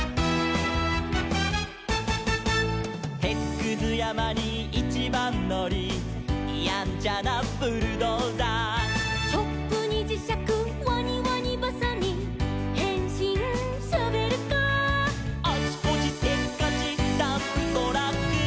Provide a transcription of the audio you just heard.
「てつくずやまにいちばんのり」「やんちゃなブルドーザー」「チョップにじしゃくワニワニばさみ」「へんしんショベルカー」「あちこちせっかちダンプトラック」